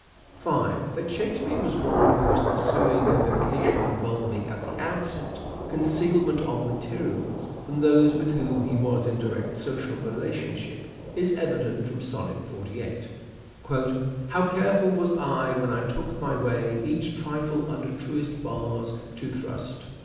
That Shakespeare was one who was pursuing a vocation involving, at the outset, concealment of materials from those with whom he was in direct social relationship is evident from Sonnet 48. " How careful was I when I took my way Each trifle under truest bars to thrust."